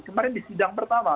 kemarin di sidang pertama